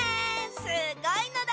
すごいのだ！